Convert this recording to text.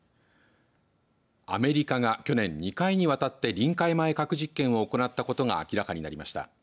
アメリカが去年、２回にわたって臨界前核実験を行ったことが明らかになりました。